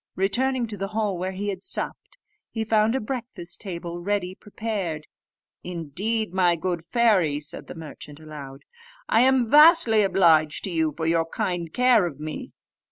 Returning to the hall where he had supped, he found a breakfast table, ready prepared. "Indeed, my good fairy," said the merchant aloud, "I am vastly obliged to you for your kind care of me."